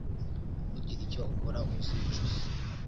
Ntugire icyo ukora uzicuza